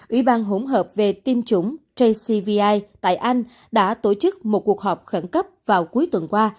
ủy ban hỗn hợp về tiêm chủng jcvi tại anh đã tổ chức một cuộc họp khẩn cấp vào cuối tuần qua